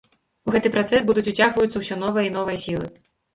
У гэты працэс будуць уцягваюцца ўсё новыя і новыя сілы.